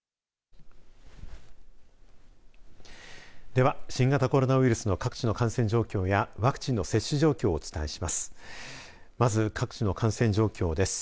では新型コロナウイルスの各地の感染状況やワクチンの接種状況をお伝えします。